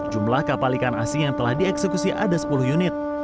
jumlah kapal ikan asing yang telah dieksekusi ada sepuluh unit